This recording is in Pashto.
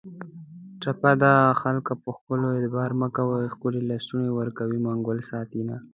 ټپه ده: خکلو په ښکلو اعتبار مه کوی ښکلي لستوڼي ورکوي منګل ساتینه